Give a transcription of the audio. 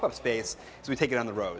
pop up space kami melakukannya di jalanan